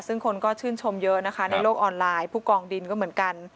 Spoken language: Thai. ซึ่งคนก็ชื่นชมเยอะนะคะในโลกออนไลน์ผู้กองดินก็เหมือนกัน